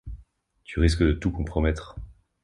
tu risques de tout compromettre.